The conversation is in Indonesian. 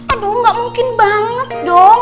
aduh gak mungkin banget dong